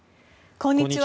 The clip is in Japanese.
こんにちは。